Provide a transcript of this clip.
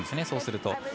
そうすると。